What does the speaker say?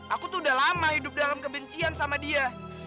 aku tuh udah lama hidup dalam kebencian sama dia